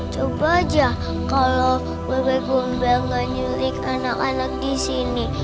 coba aja kalau bapak gomba gak nyulik anak anak di sini